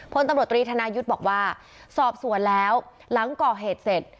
พลตำรวจตรีธนายุทธ์บอกว่าสอบสวนแล้วหลังก่อเหตุเสร็จ